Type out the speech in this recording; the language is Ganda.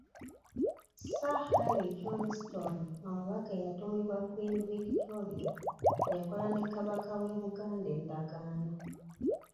Sir Harry Johnston omubaka eyatumibwa Queen Victoria yakola ne Kabaka w'e Buganda endagaano.